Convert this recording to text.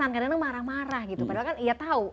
kadang kadang marah marah gitu padahal kan ia tahu